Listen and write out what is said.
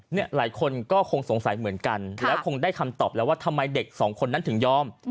หลายคนก็คงสงสัยเหมือนกันแล้วคงได้คำตอบแล้วว่าทำไมเด็กสองคนนั้นถึงยอม